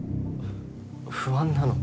不安なの？